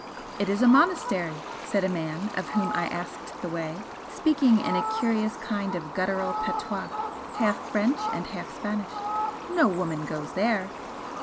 "It is a monastery," said a man of whom I asked the way, speaking in a curious kind of guttural patois, half French and half Spanish "No woman goes there."